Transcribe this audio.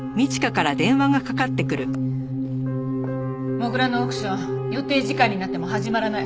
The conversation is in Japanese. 土竜のオークション予定時間になっても始まらない。